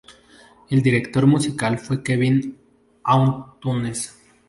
El director musical fue Kevin Antunes.